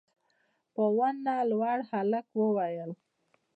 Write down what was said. په ونه لوړ هلک وويل: